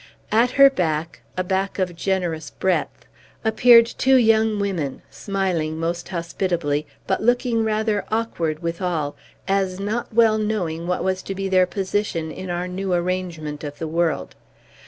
At her back a back of generous breadth appeared two young women, smiling most hospitably, but looking rather awkward withal, as not well knowing what was to be their position in our new arrangement of the world.